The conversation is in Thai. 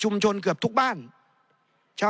ในทางปฏิบัติมันไม่ได้